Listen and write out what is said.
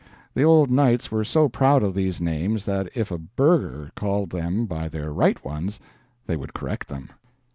The old knights were so proud of these names that if a burgher called them by their right ones they would correct them.